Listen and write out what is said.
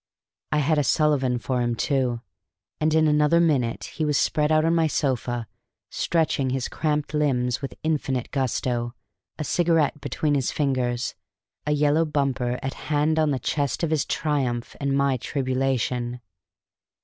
I had a Sullivan for him, too; and in another minute he was spread out on my sofa, stretching his cramped limbs with infinite gusto, a cigarette between his fingers, a yellow bumper at hand on the chest of his triumph and my tribulation.